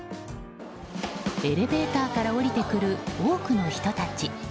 エレベーターから降りてくる多くの人たち。